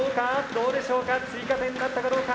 どうでしょうか追加点になったかどうか。